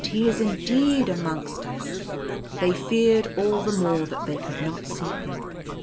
he is indeed amongst us !" They feared all the more (hat they could not see him.